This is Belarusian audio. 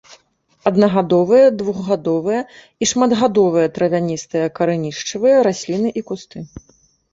Аднагадовыя, двухгадовыя і шматгадовыя травяністыя карэнішчавыя расліны і кусты.